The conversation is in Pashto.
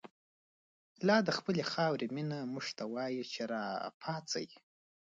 لا دخپلی خاوری مینه، مونږ ته وایی چه ر ا پا څۍ